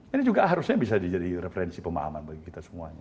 ini juga harusnya bisa jadi referensi pemahaman bagi kita semuanya